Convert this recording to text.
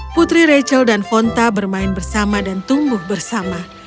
putri rachel dan fonta bermain bersama dan tumbuh bersama